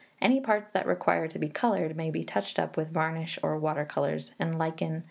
Any parts that require to be coloured, may be touched up with varnish or water colours, and lichen, &c.